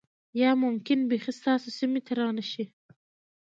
یا ممکن بیخی ستاسو سیمې ته را نشي